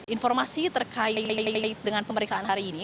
informasi terkait dengan pemeriksaan hari ini